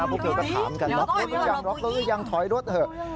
พวกเธอก็ถามกันล๊อคตัวอย่างล๊อคตัวอย่างถอยรถเหอะ